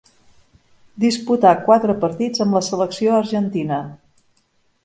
Disputà quatre partits amb la selecció argentina.